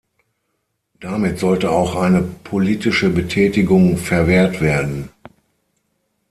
Damit sollte auch eine politische Betätigung verwehrt werden.